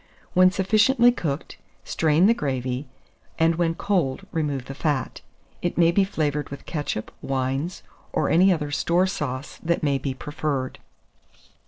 When sufficiently cooked, strain the gravy, and when cold, remove the fat. It may be flavoured with ketchup, wines, or any other store sauce that may be preferred.